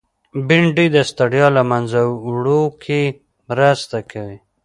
بېنډۍ د ستړیا له منځه وړو کې مرسته کوي